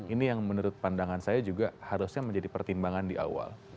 ini yang menurut pandangan saya juga harusnya menjadi pertimbangan di awal